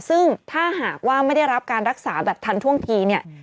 ซึ่งถ้าหากว่าไม่ได้รับการรักษาแบบทันท่วงทีเนี่ย